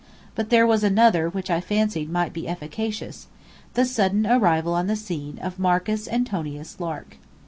But there was another which I fancied might be efficacious; the sudden arrival on the scene of Marcus Antonius Lark.